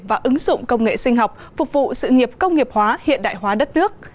và ứng dụng công nghệ sinh học phục vụ sự nghiệp công nghiệp hóa hiện đại hóa đất nước